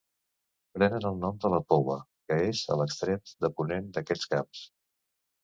Prenen el nom de la Poua, que és a l'extrem de ponent d'aquests camps.